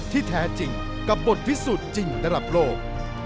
ที่แท้จริงกับบทพิสูจน์จริงระดับโลก